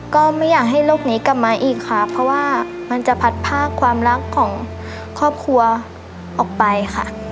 ก็ไม่อยากให้โลกนี้กลับมาอีกค่ะเพราะว่ามันจะพัดพากความรักของครอบครัวออกไปค่ะ